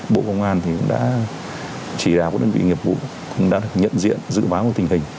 bộ công an thì cũng đã chỉ đạo các đơn vị nghiệp vụ cũng đã được nhận diện dự báo về tình hình